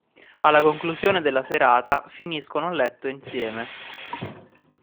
Alla conclusione della serata finiscono a letto insieme.